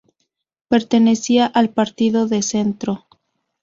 Pertenecía al partido de centro.